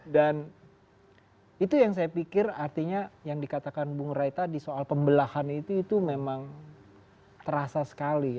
dan itu yang saya pikir artinya yang dikatakan bung rai tadi soal pembelahan itu memang terasa sekali